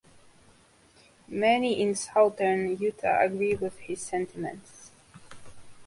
Many in Southern Utah agree with his sentiments.